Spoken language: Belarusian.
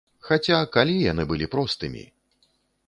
Хаця, калі яны былі простымі!